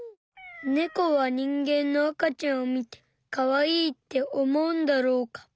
ネコは人間のあかちゃんを見てかわいいって思うんだろうか？